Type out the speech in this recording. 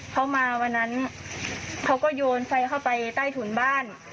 เขามาวันนั้นเขาก็โยนไฟเข้าไปใต้ถุนบ้าน